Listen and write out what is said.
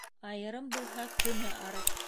Айырым булһа, көнө арыҡ.